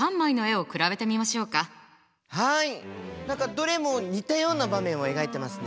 どれも似たような場面を描いてますね。